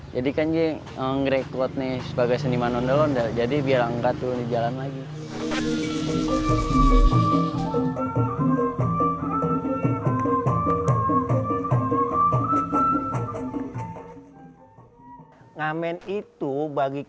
jadi kan ngerekod sebagai seniman ondel ondel biar ga turun di jalan lagi